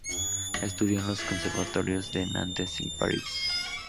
Estudió en los Conservatorios de Nantes y París.